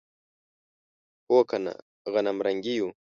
هو کنه غنمرنګي یو.